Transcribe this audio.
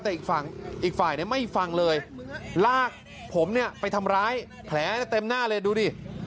แต่อีกฝั่งอีกฝ่ายไม่ฟังเลยลากผมเนี่ยไปทำร้ายแผลเต็มหน้าเลยดูดิ